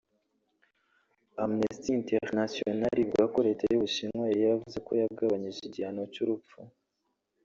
Amnesty International ivuga ko Leta y’u Bushinwa yari yaravuze ko yagabanyije igihano cy’urupfu